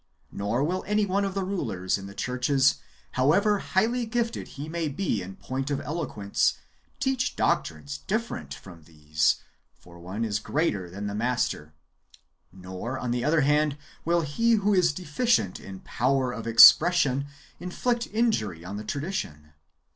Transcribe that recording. Nor will any one of the rulers in the churches, however highly gifted he may be in point of eloquence, teach doctrines different from these (for no one is greater than the Master) ; nor, on the other hand, will he who is deficient in power of expression inflict injury on the tradition.